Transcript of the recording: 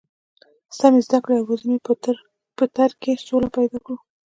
د سمې زده کړې او روزنې په تر کې سوله پیدا کړو.